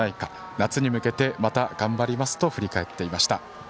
夏に向けてまた頑張りますと振り返っていました。